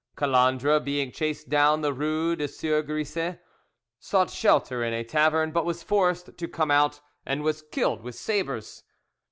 Calandre being chased down the rue des Soeurs Grises, sought shelter in a tavern, but was forced to come out, and was killed with sabres.